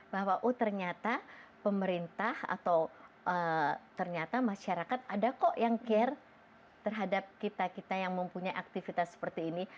bahwa oh ternyata pemerintah atau ternyata masyarakat ada kok yang care terhadap kita kita yang mempunyai aktivitas seperti ini